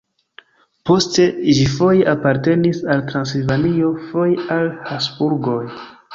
Poste ĝi foje apartenis al Transilvanio, foje al Habsburgoj.